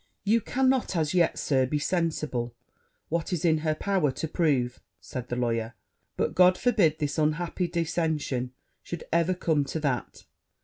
'You cannot as yet, Sir, be sensible what is in her power to prove,' said the lawyer: 'but God forbid this unhappy dissention should ever come to that!